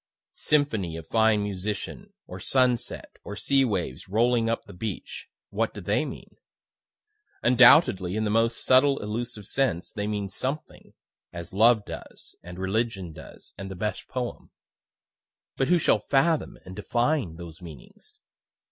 Symphony of fine musician, or sunset, or sea waves rolling up the beach what do they mean? Undoubtedly in the most subtle elusive sense they mean something as love does, and religion does, and the best poem; but who shall fathom and define those meanings?